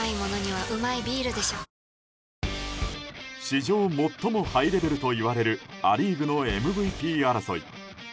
史上最もハイレベルといわれるア・リーグのＭＶＰ争い。